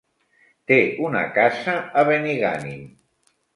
Té una casa a Benigànim.